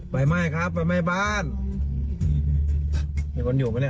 ไฟไหม้ครับไฟไหม้บ้านมีคนอยู่ไหมเนี่ย